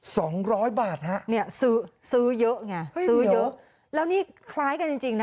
สองร้อยบาทฮะเนี่ยซื้อซื้อเยอะไงซื้อเยอะแล้วนี่คล้ายกันจริงจริงนะ